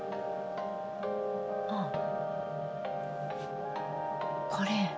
あっこれ。